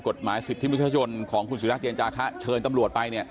กฎหมายศิษย์ที่มุฒิชาชนของคุณสุริยาศาสตร์เจียงจากภาคเชิญตำรวจไปเนี่ย